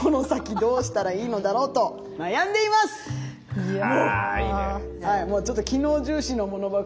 いやいいね。